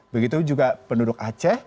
begitu juga penduduk as